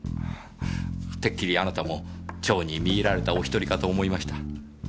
てっきりあなたも蝶に魅入られたお１人かと思いました。